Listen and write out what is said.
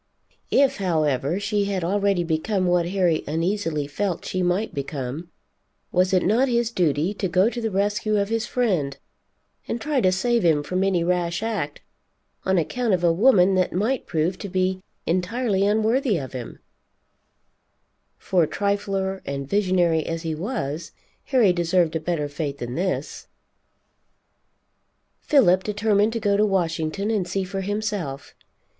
If, however, she had already become what Harry uneasily felt she might become, was it not his duty to go to the rescue of his friend and try to save him from any rash act on account of a woman that might prove to be entirely unworthy of him; for trifler and visionary as he was, Harry deserved a better fate than this. Philip determined to go to Washington and see for himself.